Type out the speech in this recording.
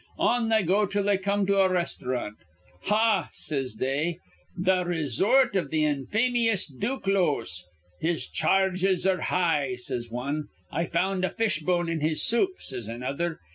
On they go till they come to a restaurant. 'Ha,' says they, 'th' re sort iv th' infamious Duclose.' 'His char rges ar re high,' says wan. 'I found a fish bone in his soup,' says another.